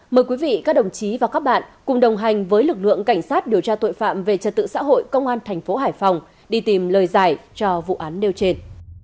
mời quý vị các đồng chí và các bạn cùng đồng hành với lực lượng cảnh sát điều tra tội phạm về trật tự xã hội công an thành phố hải phòng đi tìm lời giải cho vụ án nêu trên